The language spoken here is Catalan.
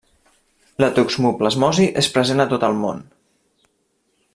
La toxoplasmosi és present a tot el món.